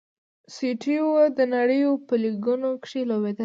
سټیو و د نړۍ په لیګونو کښي لوبېدلی.